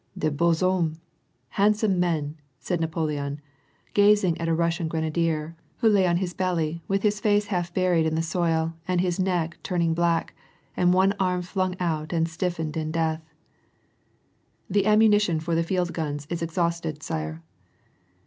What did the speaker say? '' De beaux hommes I — handsome men !" said Napoleo% gazing at a Russian grenadier, who lay on his belly with his face half buried in the soil, and his neck tumii^ black, one arm flung out and stiffened in death. << The ammunition for the field guns is exhausted, sire